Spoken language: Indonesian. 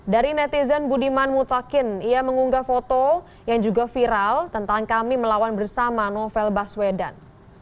dari netizen budiman mutakin ia mengunggah foto yang juga viral tentang kami melawan bersama novel baswedan